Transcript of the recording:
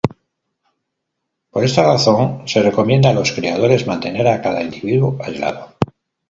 Por esta razón, se recomienda a los criadores mantener a cada individuo aislado.